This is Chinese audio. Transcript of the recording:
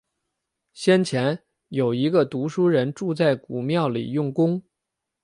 先前，有一个读书人住在古庙里用功